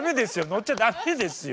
乗っちゃ駄目ですよ！